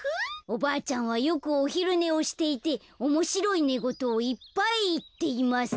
「おばあちゃんはよくおひるねをしていておもしろいねごとをいっぱいいっています」。